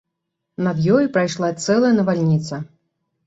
Над ёю прайшла цэлая навальніца.